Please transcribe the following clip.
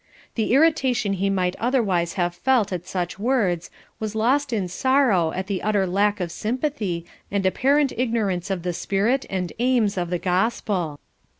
The irritation he might otherwise have felt at such words, was lost in sorrow at the utter lack of sympathy, and apparent ignorance of the spirit and aims of the gospel.